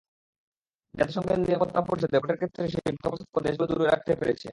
জাতিসংঘের নিরাপত্তা পরিষদে ভোটের ক্ষেত্রে সেই মতপার্থক্য দেশগুলো দূরে রাখতে পেরেছে।